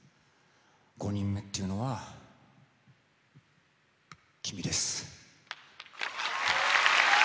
５人目っていうのは君です。